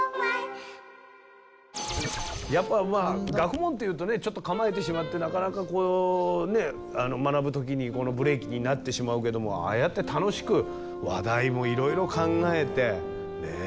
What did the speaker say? やっぱまあ学問というとねちょっと構えてしまってなかなかこう学ぶ時にブレーキになってしまうけどもああやって楽しく話題もいろいろ考えてねえ